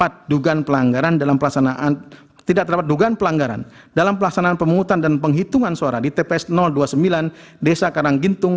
tidak terdapat dugaan pelanggaran dalam pelaksanaan pemungutan dan penghitungan suara di tps dua puluh sembilan desa karanggintung